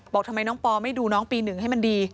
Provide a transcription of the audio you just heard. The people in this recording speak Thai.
บอกทำไมน้องปอไม่ดูน้องปี๑ให้มันดี